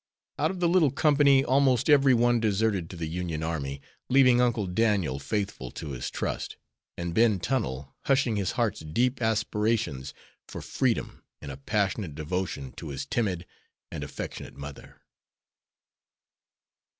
Out of the little company, almost every one deserted to the Union army, leaving Uncle Daniel faithful to his trust, and Ben Tunnel hushing his heart's deep aspirations for freedom in a passionate devotion to his timid and affectionate mother.